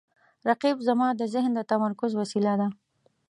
رقیب زما د ذهن د تمرکز وسیله ده